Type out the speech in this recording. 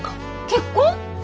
結婚。